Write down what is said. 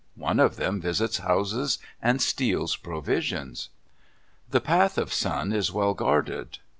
One of them visits houses and steals provisions. The path of Sun is well guarded.